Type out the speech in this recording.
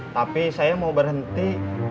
tapi saya mau berhenti